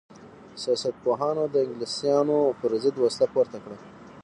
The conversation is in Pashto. سپاهیانو د انګلیسانو پر ضد وسله پورته کړه.